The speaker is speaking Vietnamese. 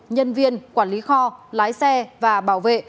nhân viên quản lý kho lái xe và bảo vệ